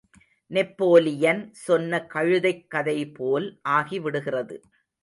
Napoleon சொன்ன கழுதைக் கதைபோல் ஆகிவிடுகிறது.